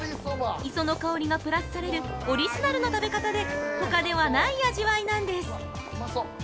磯の香りがプラスされるオリジナルの食べ方で、ほかではない味わいなんです。